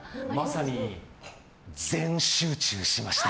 まさに全集中しました。